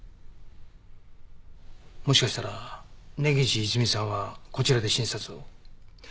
もしかしたら根岸いずみさんはこちらで診察を？